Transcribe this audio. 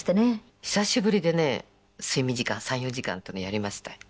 久しぶりでね睡眠時間３４時間というのやりました。